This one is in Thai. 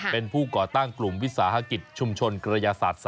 เป็นผู้ก่อตั้งกลุ่มวิสาหกิจชุมชนกระยาศาสตร์๓